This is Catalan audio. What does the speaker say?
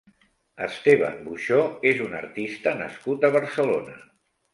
Esteban Buxó és un artista nascut a Barcelona.